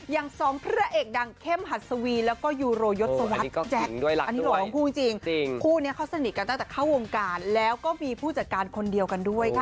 อย่างสองพระเอกดังเข้มหัดสวีแล้วก็ยูโรยศวรรษพี่แจ๊คอันนี้หล่อทั้งคู่จริงคู่นี้เขาสนิทกันตั้งแต่เข้าวงการแล้วก็มีผู้จัดการคนเดียวกันด้วยค่ะ